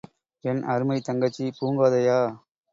என் அருமைத் தங்கச்சி பூங்கோதையா?